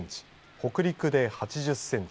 北陸で８０センチ